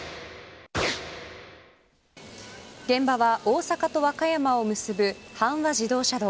現場は大阪と和歌山を結ぶ阪和自動車道。